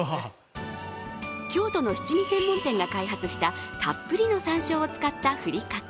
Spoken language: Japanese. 京都の七味専門店が開発した、たっぷりのさんしょうを使ったふりかけ。